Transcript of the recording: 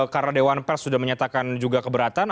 karena dewan pers sudah menyatakan juga keberatan